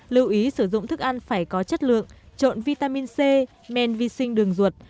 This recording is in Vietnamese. lưu ý sử dụng thức ăn phải có chất lượng trộn vitamin c men vi sinh đường ruột